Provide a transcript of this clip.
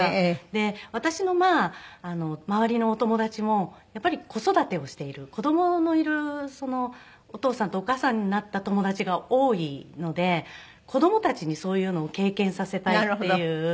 で私の周りのお友達もやっぱり子育てをしている子供のいるお父さんとお母さんになった友達が多いので子供たちにそういうのを経験させたいっていう。